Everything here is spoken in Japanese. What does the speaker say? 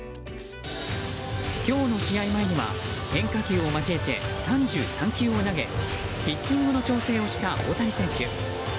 今日の試合前には変化球を交えて３３球を投げピッチングの調整をした大谷選手。